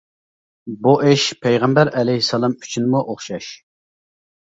بۇ ئىش پەيغەمبەر ئەلەيھىسسالام ئۈچۈنمۇ ئوخشاش.